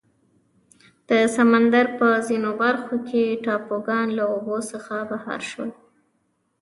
د سمندر په ځینو برخو کې ټاپوګان له اوبو څخه بهر شول.